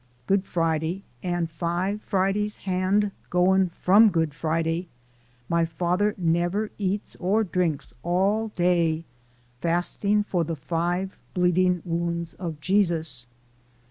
Good Friday, an' five Fridays hand gwine from Good Friday, my fader nebber eats or drinks, all day fasting for de five bleeding wounds ob Jesus.